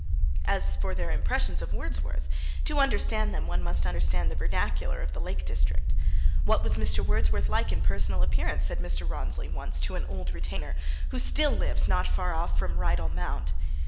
As for their impressions of Wordsworth, to understand them one must understand the vernacular of the Lake District. 'What was Mr. Wordsworth like in personal appearance?' said Mr. Rawnsley once to an old retainer, who still lives not far from Rydal Mount.